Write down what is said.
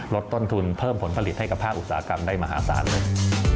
ลดต้นทุนเพิ่มผลผลิตให้กับภาคอุตสาหกรรมได้มหาศาลเลย